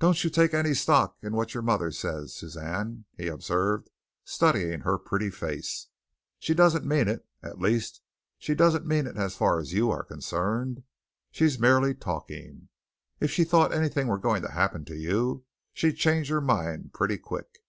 "Don't you take any stock in what your mother says, Suzanne," he observed, studying her pretty face. "She doesn't mean it, at least, she doesn't mean it as far as you are concerned. She's merely talking. If she thought anything were going to happen to you, she'd change her mind pretty quick."